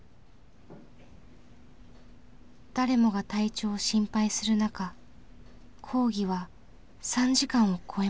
誰もが体調を心配する中講義は３時間を超えました。